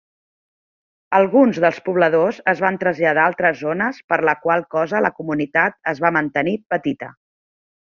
Alguns dels pobladors es van traslladar a altres zones, per la qual cosa la comunitat es va mantenir petita.